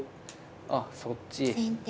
あそっち。